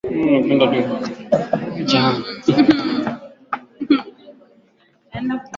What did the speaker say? Hizo ni sifa mbaya, jali utu wewe kuliko kitu.